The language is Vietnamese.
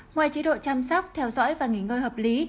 ngoài chế độ chăm sóc theo dõi và nghỉ ngơi hợp lý